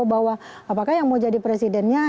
bahwa apakah yang mau jadi presidennya